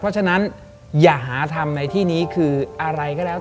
เพราะฉะนั้นอย่าหาทำในที่นี้คืออะไรก็แล้ว